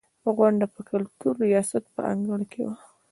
غونډه په کلتور ریاست په انګړ کې وه.